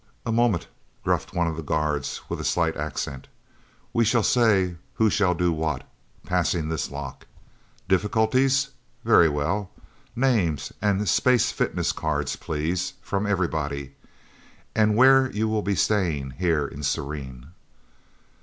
"A moment," gruffed one of the guards with a slight accent. "We shall say who shall do what passing this lock. Difficulties? Very well. Names, and space fitness cards, please, from everybody. And where you will be staying, here in Serene..."